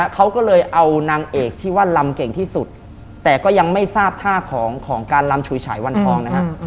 เขาก็เลยเอานางเอกที่ว่าลำเก่งที่สุดแต่ก็ยังไม่ทราบท่าของการลำฉุยฉายวันทองนะฮะ